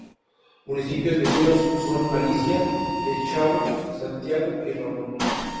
Municipios vecinos son Alicia, Echagüe, Santiago y Ramón.